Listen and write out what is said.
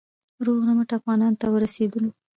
روغ رمټ افغانستان ته ورسېدلو.